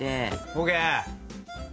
ＯＫ！